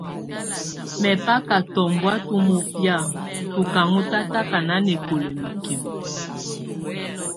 Mɛbaka tɔbɔŋtɔ̀ mɔbɛ̀á tù ka ɔn tataka nanɛkɔla mikimǝ.